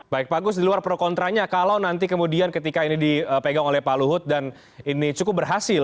baik pak agus di luar pro kontranya kalau nanti kemudian ketika ini dipegang oleh pak luhut dan ini cukup berhasil